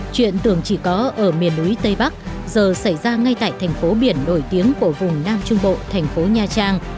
chuyện tưởng chỉ có ở miền núi tây bắc giờ xảy ra ngay tại thành phố biển nổi tiếng của vùng nam trung bộ thành phố nha trang